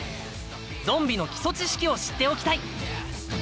ゾンビの基礎知識を知っておきたい。